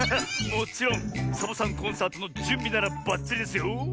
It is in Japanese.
もちろんサボさんコンサートのじゅんびならばっちりですよ。